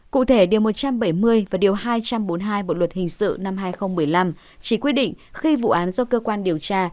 cụ thể điều một trăm bảy mươi và điều hai trăm bốn mươi hai bộ luật hình sự năm hai nghìn một mươi năm chỉ quy định khi vụ án do cơ quan điều tra